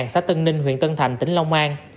xã tân ninh huyện tân thành tỉnh long an